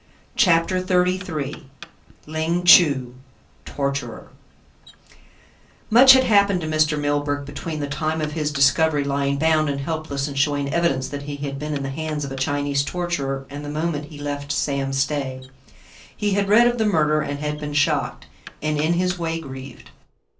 CHAPTER XXXIII LING CHU TORTURER Much had happened to Mr. Milburgh between the time of his discovery lying bound and helpless and showing evidence that he had been in the hands of a Chinese torturer and the moment he left Sam Stay. He had read of the murder, and had been shocked, and, in his way, grieved.